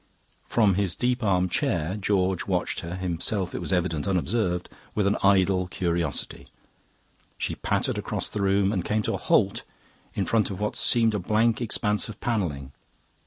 From his deep arm chair George watched her (himself, it was evident, unobserved) with an idle curiosity. She pattered across the room and came to a halt in front of what seemed a blank expense of panelling.